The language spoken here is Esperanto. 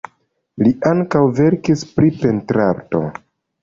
Li ankaŭ verkis pri pentrarto.